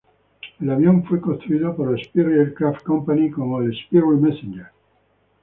El avión fue construido por la Sperry Aircraft Company como el Sperry "Messenger".